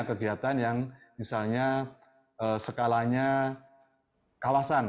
kegiatan yang misalnya skalanya kawasan